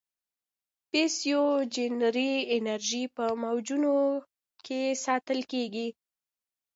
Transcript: پسیوجنري انرژي په موجونو کې ساتل کېږي.